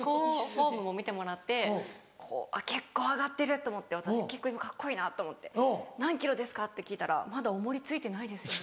フォームも見てもらってこうあっ結構挙がってると思って私結構今カッコいいなと思って「何ｋｇですか？」って聞いたら「まだ重り付いてないですよ」。